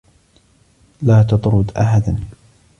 لا تطرد أحدا.